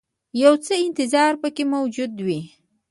یو څه انتظار پکې موجود وي.